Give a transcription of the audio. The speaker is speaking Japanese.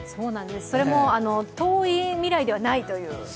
それも遠い未来ではないという。